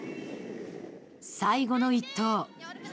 最後の１投。